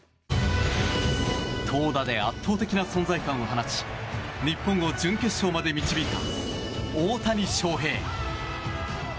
投打で圧倒的な存在感を放ち日本を準決勝まで導いた大谷翔平。